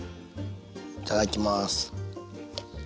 いただきます。